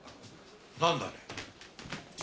何だね？